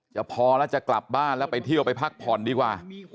พอแล้วจะกลับบ้านแล้วไปเที่ยวไปพักผ่อนดีกว่า